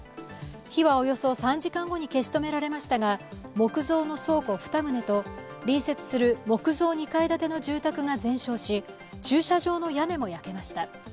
火はおよそ３時間後に消し止められましたが木造の倉庫２棟と隣接する木造２階建ての住宅が全焼し、駐車場の屋根も焼けました。